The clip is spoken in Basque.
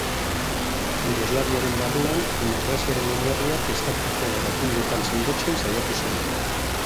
Jugoslaviaren barruan, demokraziaren oinarriak estatuko erakundeetan sendotzen saiatu zen.